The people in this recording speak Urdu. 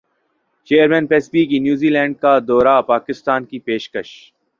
چیئرمین پیس بی کی نیوزی لینڈ کو دورہ پاکستان کی پیشکش